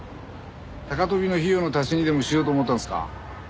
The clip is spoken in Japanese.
高飛びの費用の足しにでもしようと思ったんですか？